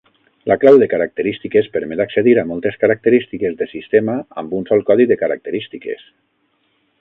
La clau de característiques permet accedir a moltes característiques de sistema amb un sol codi de característiques.